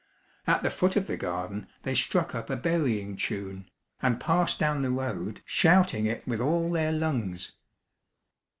At the foot of the garden they struck up a "burying tune," and passed down the road, shouting it with all their lungs.